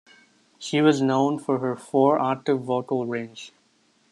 She was known for her four-octave vocal range.